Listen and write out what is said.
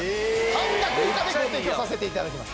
半額以下でご提供させて頂きます。